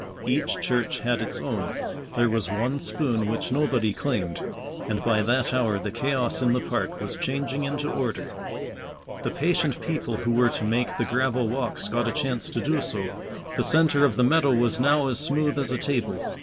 Each church had its own. There was one spoon which nobody claimed. And by that hour the chaos in the park was changing into order. The patient people who were to make the gravel walks got a chance to do so. The centre of the meadow was now as smooth as a table.